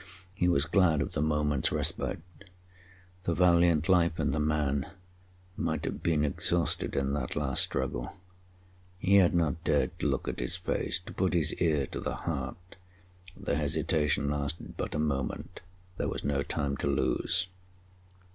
He was glad of the moment's respite. The valiant life in the man might have been exhausted in that last struggle. He had not dared to look at his face, to put his ear to the heart. The hesitation lasted but a moment. There was no time to lose.